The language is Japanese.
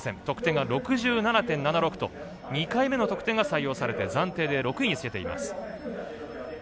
得点が６７．７６と２回目の得点が採用されて暫定で６位につけています。